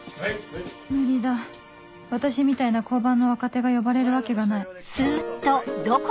無理だ私みたいな交番の若手が呼ばれるわけがない